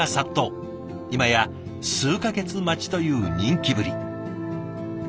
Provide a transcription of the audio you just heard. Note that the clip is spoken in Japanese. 今や数か月待ちという人気ぶり。